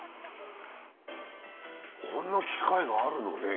こんな機械があるのね。